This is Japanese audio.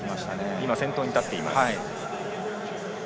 今、先頭に立っています。